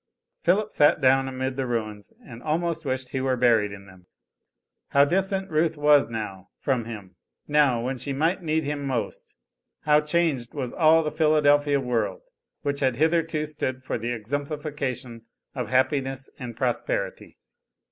Philip sat down amid the ruins, and almost wished he were buried in them. How distant Ruth was now from him, now, when she might need him most. How changed was all the Philadelphia world, which had hitherto stood for the exemplification of happiness and prosperity.